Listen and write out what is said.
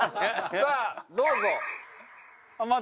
さあどうぞ。